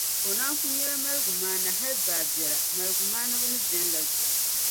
o naan ku nyɛla maligumaana hal baabiɛla, maligumaaniba ni beni la zuɣu.